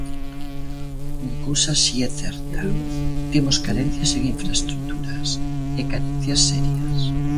Unha cousa si é certa, temos carencias en infraestruturas, e carencias serias.